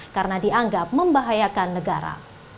karena dianggap membahayakan negara